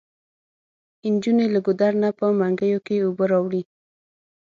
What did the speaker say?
انجونې له ګودر نه په منګيو کې اوبه راوړي.